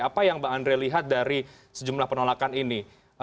apa yang mbak andre lihat dari sejumlah penolakan ini